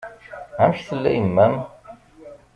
Amek tella yemma-m?